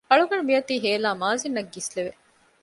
އަޅުގަނޑު މިއޮތީ ހޭލާ މާޒިން އަށް ގިސްލެވެ